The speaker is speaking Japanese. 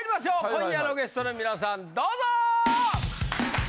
今夜のゲストのみなさんどうぞ！